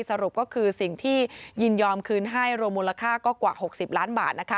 สรุปก็คือสิ่งที่ยินยอมคืนให้รวมมูลค่าก็กว่า๖๐ล้านบาท